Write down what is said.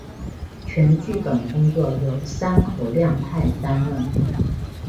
全剧本工作由山口亮太担任。